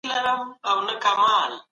د اقتصاد توازن ته جدي پام وکړئ.